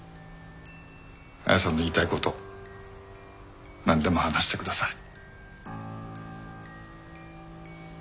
亜矢さんの言いたい事なんでも話してください。